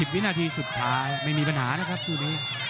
วินาทีสุดท้ายไม่มีปัญหานะครับคู่นี้